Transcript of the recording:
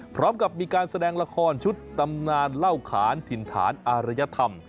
พร้อมกับมีการแสดงละครชุดตำนานเล่าขานถิ่นฐานอารยธรรม